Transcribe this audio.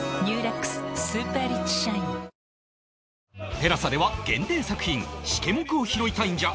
ＴＥＬＡＳＡ では限定作品シケモクを拾いたいんじゃ！！